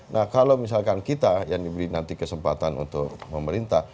nah kalau misalkan kita yang diberi nanti kesempatan untuk memerintah